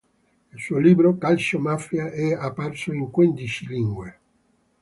Il suo libro "Calcio mafia" è apparso in quindici lingue.